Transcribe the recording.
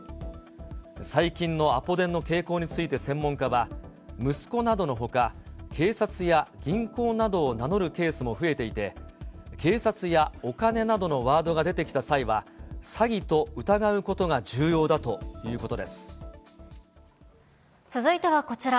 最近のアポ電の傾向について専門家は、息子などのほか、警察や銀行などを名乗るケースも増えていて、警察やお金などのワードが出てきた際は詐欺と疑うことが重要だと続いてはこちら。